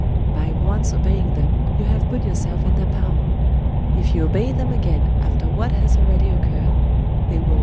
By once obeying them, you have put yourself in their power. If you obey them again, after what has already occurred, they will tear you in pieces.